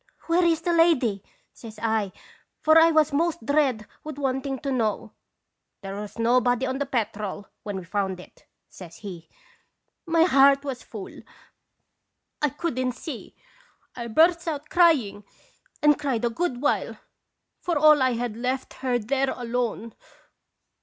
'" Where is the lady?' says I, for 1 was most dead with wanting to know. "' There was nobody on the Petrel when we found it,' says he. "My heart was full; I couldn't see. I burst out crying, and cried a good while, for all I had left her there alone.